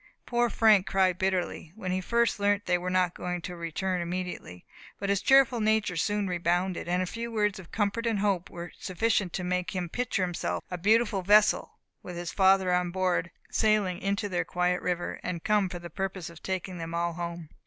Poor Frank cried bitterly, when he first learnt that they were not to return immediately; but his cheerful nature soon rebounded, and a few words of comfort and hope were sufficient to make him picture to himself a beautiful vessel, with his father on board, sailing into their quiet river, and come for the purpose of taking them all home.